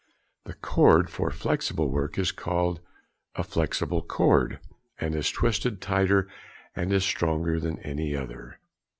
The cord for flexible work is called a "flexible cord," and is twisted tighter and is stronger than any other.